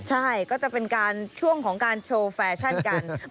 ใช่ก็จะเป็นการช่วงของการโชว์แฟชั่นกัน